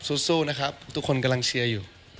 สู้นะครับทุกคนกำลังเชียร์อยู่